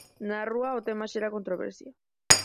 Na rúa o tema xera controversia.